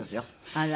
あら。